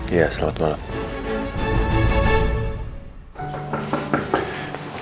iya selamat malam